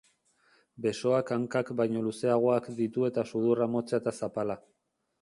Besoak hankak baino luzeagoak ditu eta sudurra motza eta zapala.